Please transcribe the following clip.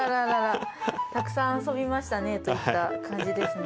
たくさん遊びましたねといった感じですね。